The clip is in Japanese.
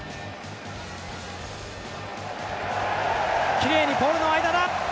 きれいにポールの間だ。